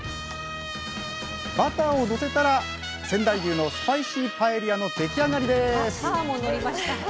バターをのせたら仙台牛のスパイシーパエリアの出来上がりです！